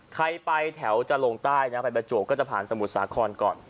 ใครไปแถวจะลงใต้นะไปประจวบก็จะผ่านสมุทรสาครก่อน